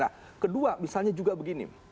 nah kedua misalnya juga begini